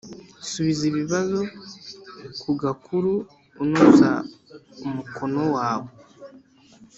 Subiza ibi babazo ku gakuru unoza umukono wawe